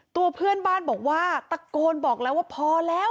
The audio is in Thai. ตัวเพื่อนบ้านบอกว่าตะโกนบอกแล้วว่าพอแล้ว